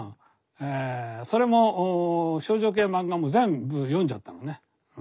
それも少女系漫画も全部読んじゃったのね。